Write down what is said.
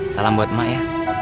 salam buat emak ya